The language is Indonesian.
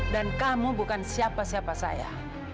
dan kamu bukan siapa siapa saya